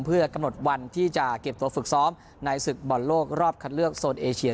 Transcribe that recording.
เพื่อกำหนดวันที่จะเก็บตัวฝึกซ้อมในศึกบอลโลกรอบคัดเลือกโซนเอเชีย